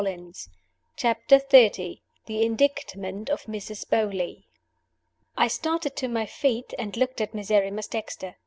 CHAPTER XXX. THE INDICTMENT OF MRS. BEAULY. I STARTED to my feet, and looked at Miserrimus Dexter.